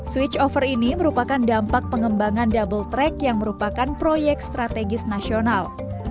switch over ini merupakan dampak pengembangan double track yang merupakan proyek strategis nasional